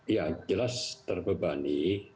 ya jelas terbebani